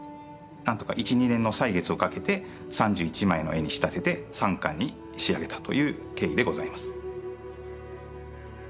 何とか１２年の歳月をかけて３１枚の絵に仕立てて３巻に仕上げたという経緯でございます。